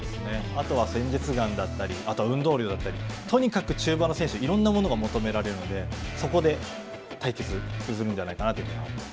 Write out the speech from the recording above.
あとは戦術眼だったりあとは運動量だったりとにかく中盤の選手にはいろんなものが求められるのでそこでなるほど。